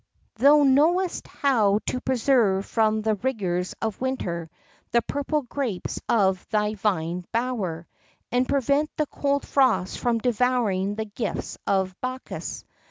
Thou knowest how to preserve from the rigours of winter the purple grapes of thy vine bower, and prevent the cold frost from devouring the gifts of Bacchus.